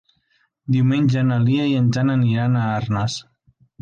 Diumenge na Lia i en Jan aniran a Arnes.